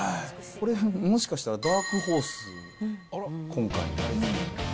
これ、もしかしたら、ダークホース、今回の。